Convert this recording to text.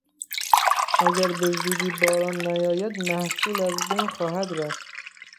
اگر بزودی باران نیاید محصول از بین خواهد رفت.